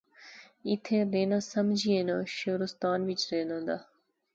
ایتھیں رہنا سمجھی ہنا شعرستان وچ رہنا دا